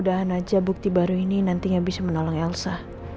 mudah mudahan aja bukti baru ini nantinya bisa menolong elsa